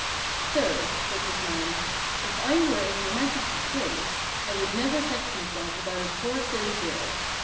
"Sir," said this man, "if I were in Your Majesty's place, I would never vex myself about a poor silly girl.